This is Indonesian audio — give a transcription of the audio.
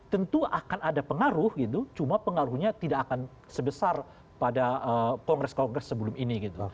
tentu akan ada pengaruh gitu cuma pengaruhnya tidak akan sebesar pada kongres kongres sebelum ini gitu